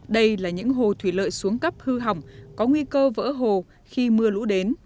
đây là những hồ thủy lợi xuống cấp hư hỏng có nguy cơ vỡ hồ khi mưa lũ đến